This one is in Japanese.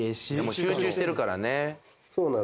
集中してるからね